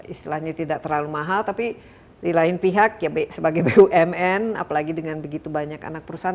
istilahnya tidak terlalu mahal tapi di lain pihak ya sebagai bumn apalagi dengan begitu banyak anak perusahaan